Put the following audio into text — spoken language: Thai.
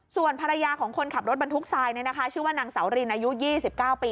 ส่วนภรรยาของคนขับรถบรรทุกทรายชื่อว่านางสาวรินอายุ๒๙ปี